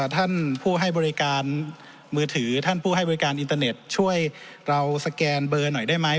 ท่านผู้ให้บริการมือถือท่านผู้ให้บริการอินเตอร์เน็ตช่วยเราสแกนเบอร์หน่อยได้ไหม